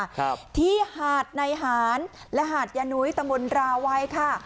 ครับที่หาดในหารและหาดยานุ้ยตะมนตราวัยค่ะ